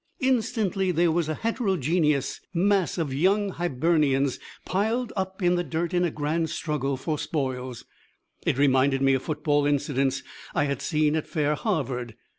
Instantly there was a heterogeneous mass of young Hibernians piled up in the dirt in a grand struggle for spoils. It reminded me of football incidents I had seen at fair Harvard.